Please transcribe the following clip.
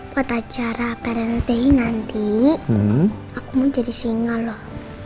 buat acara peranti nanti aku mau jadi singa loh